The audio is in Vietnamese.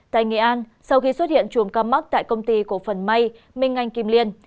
tại nghệ an sau khi xuất hiện chuồng ca mắc tại công ty cổ phần may minh anh kim liên